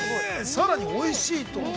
◆さらにおいしいと。